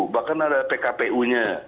bahkan ada pkpu nya